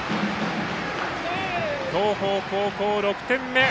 東邦高校、６点目！